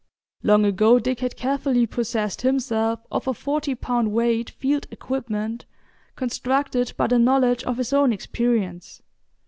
Long ago Dick had carefully possessed himself of a forty pound weight field equipment constructed by the knowledge of his own experience.